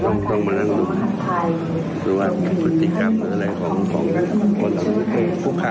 ต้องต้องมานั่งดูหรือว่าพฤติกรรมอะไรของของคนผู้ค้า